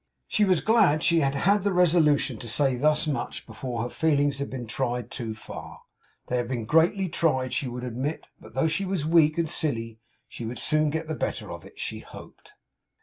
She was glad she had had the resolution to say thus much before her feelings had been tried too far; they had been greatly tried, she would admit; but though she was weak and silly, she would soon get the better of it, she hoped.